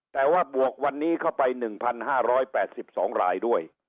แต่ว่าบวกวันนี้เข้าไป๑๕๘๒รายด้วย